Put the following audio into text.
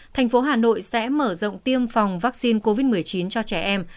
thành phố hà nội sẽ mở rộng tiêm phòng vaccine covid một mươi chín cho trẻ em